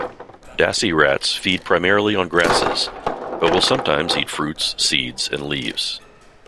Dassie rats feed primarily on grasses, but will sometimes eat fruits, seeds, and leaves.